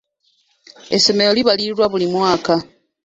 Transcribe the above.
Essomero libalirirwa buli mwaka.